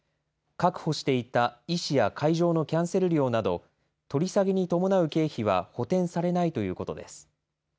確保していた医師や会場のキャンセル料など、取り下げに伴う経費は補填されないということです。